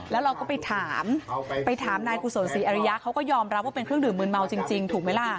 แล้วเราก็ไปถามไปถามนายกุศลศรีอริยะเขาก็ยอมรับว่าเป็นเครื่องดื่มมืนเมาจริงถูกไหมล่ะ